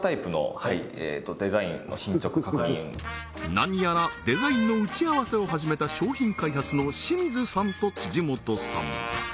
何やらデザインの打ち合わせを始めた商品開発の清水さんと辻本さん